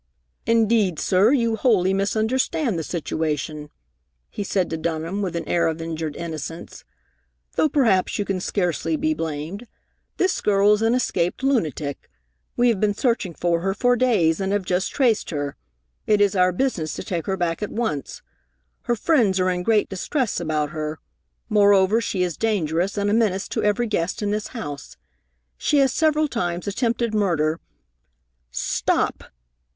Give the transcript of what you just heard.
"Indeed, sir, you wholly misunderstand the situation," he said to Dunham, with an air of injured innocence, "though perhaps you can scarcely be blamed. This girl is an escaped lunatic. We have been searching for her for days, and have just traced her. It is our business to take her back at once. Her friends are in great distress about her. Moreover, she is dangerous and a menace to every guest in this house. She has several times attempted murder " "Stop!"